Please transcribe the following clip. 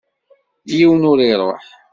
Yiwen ur iṛuḥ.